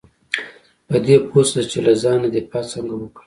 په دې پوه شه چې له ځان دفاع څنګه وکړم .